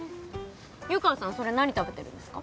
湯川さんそれ何食べてるんですか？